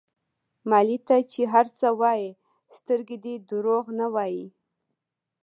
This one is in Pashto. مالې ته چې هر څه ووايې سترګې دې دروغ نه وايي.